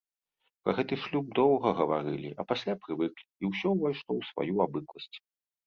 Пра гэты шлюб доўга гаварылі, а пасля прывыклі, і ўсё ўвайшло ў сваю абыкласць.